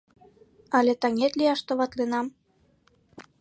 Але таҥет лияш товатленам?